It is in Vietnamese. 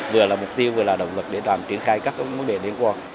vừa là mục tiêu vừa là động lực để làm triển khai các mối đề liên quan